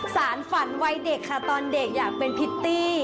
สารฝันวัยเด็กค่ะตอนเด็กอยากเป็นพิตตี้